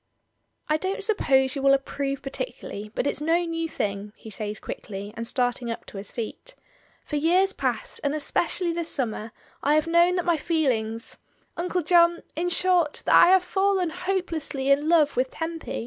"I don't suppose you will approve particularly, but it's no new thing," he says, quickly, and start ing up to his feet "For years past, and especially this summer, I have known that my feelings, Uncle John — in short, that I have fallen hopelessly in love with Tempy.